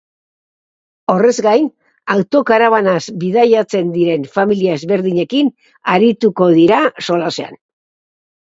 Horrez gain, autokarabanaz bidaiatzen diren familia ezberdinekin arituko dira solasean.